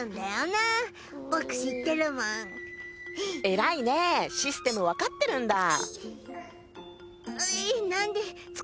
えらいねシステム分かってるんだ